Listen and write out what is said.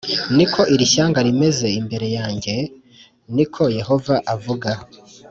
ni ko iri shyanga rimeze imbere yanjye ni ko Yehova avuga